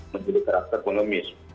menjadi karakter ekonomis